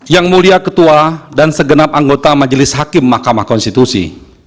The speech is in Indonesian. yang mulia ketua dan segenap anggota majelis hakim mahkamah konstitusi